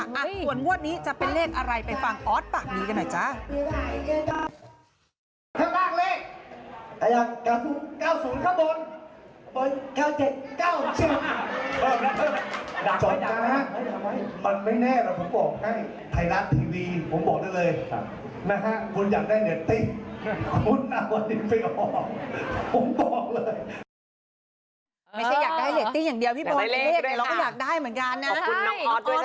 อ่ะส่วนงวดนี้จะเป็นเลขอะไรไปฟังออสปากดีกันหน่อยจ้า